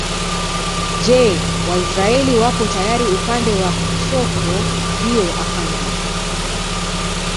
Je Waisraeli wapo tayari upande wa kushoto ndio afande